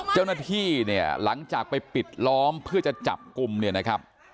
เจ้าหน้าที่เนี่ยหลังจากไปปิดล้อมเพื่อจะจับกลุ่มเนี่ยนะครับ